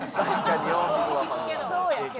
そうやけど。